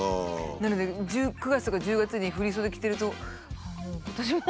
なので９月とか１０月に振り袖着てると「ああもう今年も」。